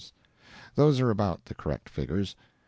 Those are about the correct figures.